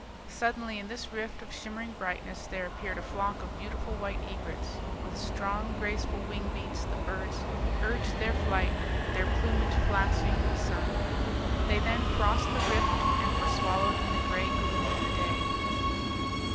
Suddenly in this rift of shimmering brightness there appeared a flock of beautiful white egrets. With strong, graceful wing beats the birds urged their flight, their plumage flashing in the sun. They then crossed the rift and were swallowed in the gray gloom of the day.